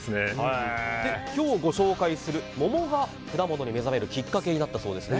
今日ご紹介する桃が果物に目覚めるきっかけになったそうですね。